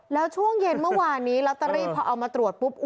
แล้วช่วงเย็นเมื่อวานนี้ลอตเตอรี่พอเอามาตรวจปุ๊บ